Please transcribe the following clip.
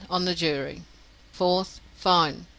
On the jury. 4th. Fine.